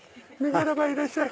いらっしゃい。